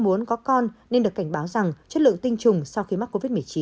muốn có con nên được cảnh báo rằng chất lượng tiêm chủng sau khi mắc covid một mươi chín